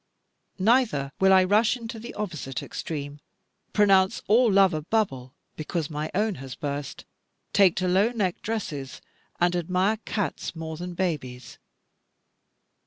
Neither will I rush into the opposite extreme, pronounce all love a bubble because my own has burst, take to low necked dresses, and admire cats more than babies.